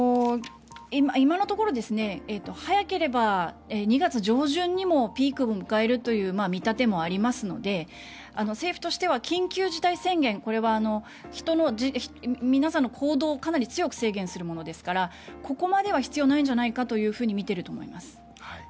今のところ早ければ２月上旬にもピークを迎えるという見立てもありますので政府としては緊急事態宣言これは皆さんの行動をかなり強く制限するものですからここまでは必要ないんじゃないかと見ていると思います。